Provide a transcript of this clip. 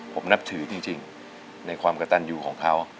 ผมนับถือจริงในความกระตันยูของเขา